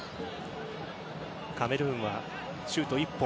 カメルーンはシュート１本。